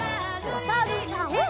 おさるさん。